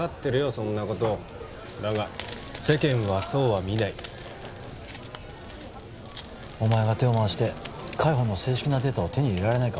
そんなことだが世間はそうは見ないお前が手を回して海保の正式なデータを手に入れられないか？